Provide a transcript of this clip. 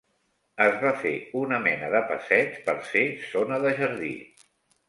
Es va fer una mena de passeig per ser zona de jardí.